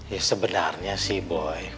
ya sebenarnya sih boy